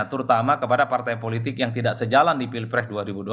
terutama kepada partai politik yang tidak sejalan di pilpres dua ribu dua puluh